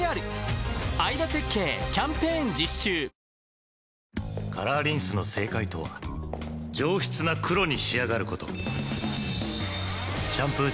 とここで問題１年目のカラーリンスの正解とは「上質な黒」に仕上がることシャンプー